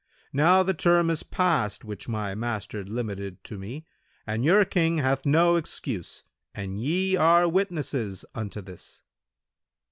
Now the term is past which my master limited to me and your King hath no excuse, and ye are witnesses unto this."